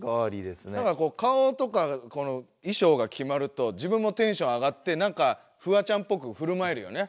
なんかこう顔とかこのいしょうがきまると自分もテンション上がってなんかフワちゃんっぽくふるまえるよね。